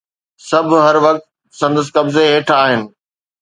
سڀ هر وقت سندس قبضي هيٺ آهن